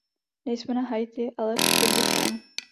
Nejsme na Haiti ale v Kyrgyzstánu.